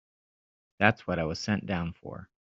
That's what I was sent down for.